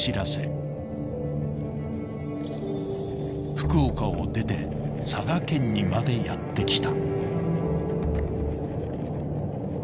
［福岡を出て佐賀県にまでやって来た］